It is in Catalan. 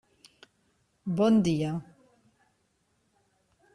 Bon dia.